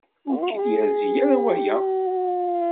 Ur k-id-yerzi ara waya.